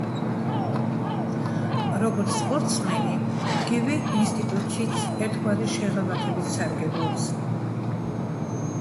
როგორც სპორტსმენი გივი ინსტიტუტშიც ერთგვარი შეღავათებით სარგებლობს.